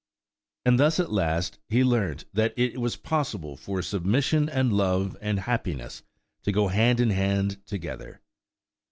And thus at last, he learnt that it was possible for submission and love and happiness to go hand in hand together.